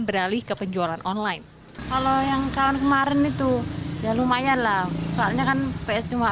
beralih ke penjualan online kalau yang tahun kemarin itu ya lumayan lah soalnya kan ps cuma